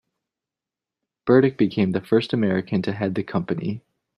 Burdick became the first American to head the company.